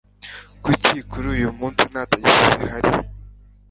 Kuki kuri uyu munsi nta tagisi zihari?